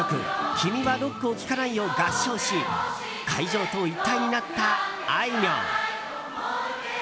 「君はロックを聴かない」を合唱し会場と一体になった、あいみょん。